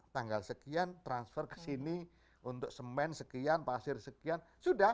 tanggal sekian transfer ke sini untuk semen sekian pasir sekian sudah